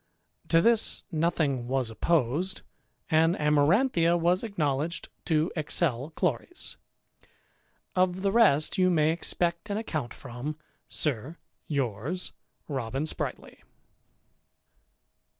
To this nothing was opposed ; and Amaranthia was acknowledged to excel Chloris. Of the rest you may expect an account from. Sir, yours, Robin Spritely.